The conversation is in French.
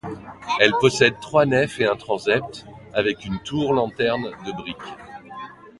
Elle possède trois nefs et un transept avec une tour-lanterne de brique.